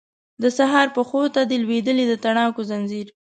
د سهار پښو ته دی لویدلی د تڼاکو ځنځیر